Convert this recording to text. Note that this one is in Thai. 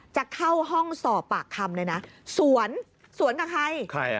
จะเข้าห้องสอบปากคำเลยนะสวนสวนกับใครใครอ่ะ